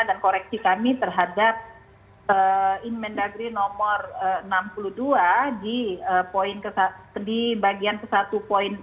dan koreksi kami terhadap inmen dagri nomor enam puluh dua di bagian ke satu poin m satu